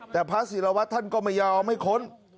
แต่พระศิรวัตรท่านก็ไม่ยอมให้ค้น